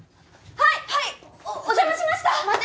はいっお邪魔しました